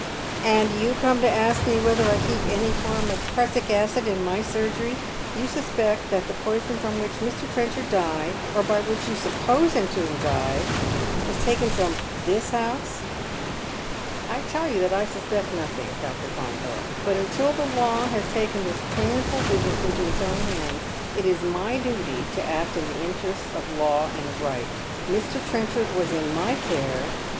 " And you come to ask me whether I keep any form of prussic acid in my surgery — j' ou suspect that the poison from which Mr. Trenchard died — or by which you suppose him to have died — was taken from this house ?"" I tell you that I suspect nothing, Dr. Faunthorpe. But until the law has taken this painful business into its own hands, it is my duty to act in the interests of law and right. Mr. Trenchard was in my care.